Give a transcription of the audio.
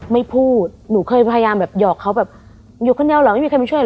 ไม่พูดหนูเคยพยายามแบบหยอกเขาแบบอยู่คนเดียวเหรอไม่มีใครมาช่วยเห